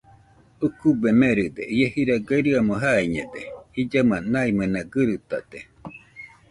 Ukube meride ie jira gaɨriamo jaiakañede; illaɨma maimɨena gɨritate